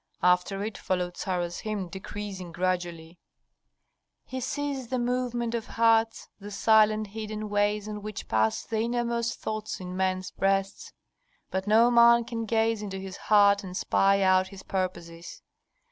After it followed Sarah's hymn decreasing gradually, "He sees the movement of hearts, the silent hidden ways on which pass the innermost thoughts in men's breasts. But no man can gaze into His heart and spy out His purposes.